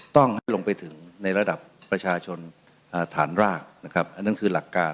ต้องให้ลงไปถึงในระดับประชาชนฐานรากนะครับอันนั้นคือหลักการ